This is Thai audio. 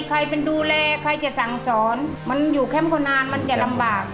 ใครเป็นดูแลใครจะสั่งสอนมันอยู่แคมป์คนนานมันจะลำบาก